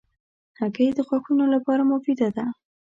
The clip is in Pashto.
هګۍ د غاښونو لپاره مفیده ده.